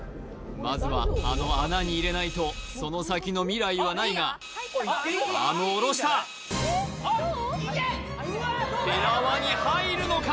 まずはあの穴に入れないとその先の未来はないがアームを下ろしたペラ輪に入るのか？